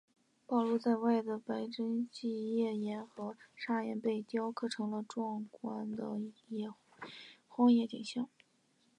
暴露在外的白垩纪页岩和砂岩被雕刻成了壮观的荒野景象。